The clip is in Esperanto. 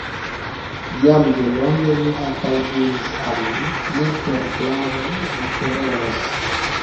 Jam delonge mi antaŭdiris al vi: ne per glavo vi pereos!